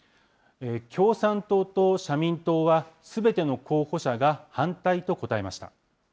共産党と社民党は、すべての候補者が反対と答えました。